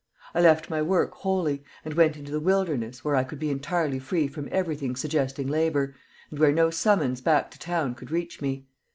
I left my work wholly, and went into the wilderness, where I could be entirely free from everything suggesting labor, and where no summons back to town could reach me.